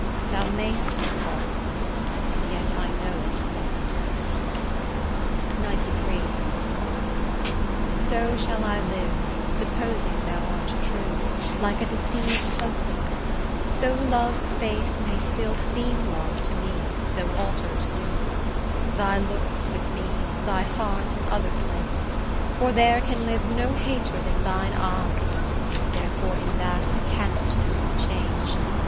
Thou mayst be false, and yet I know it not. XCIII So shall I live, supposing thou art true, Like a deceived husband; so love's face May still seem love to me, though alter'd new; Thy looks with me, thy heart in other place: For there can live no hatred in thine eye, Therefore in that I cannot know thy change.